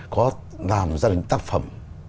có làm ra đến tác phẩm